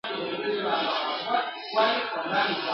هره ورځ لږ وخت کتاب ته ورکول د پوهي زياتېدو سبب ګرځي ..